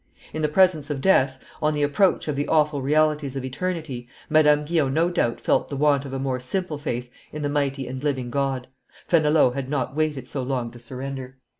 In the presence of death, on the approach of the awful realities of eternity, Madame Guyon no doubt felt the want of a more simple faith in the mighty and living God. Fenelon had not waited so long to surrender.